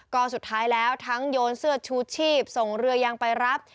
ก็สุดท้ายแล้วทั้งโยนเสื้อชูชีพส่งเรือยางไปรับ